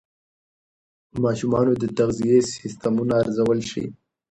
د ماشومانو د تغذیې سیستمونه ارزول شوي.